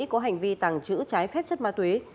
có hành vi tàng trữ trái phép chất ma túy